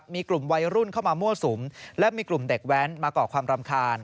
มีกลุ่มวัยรุ่นเข้ามามั่วสุมและมีกลุ่มเด็กแว้นมาก่อความรำคาญ